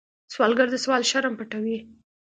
سوالګر د سوال شرم پټوي